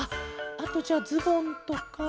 あとじゃあズボンとか。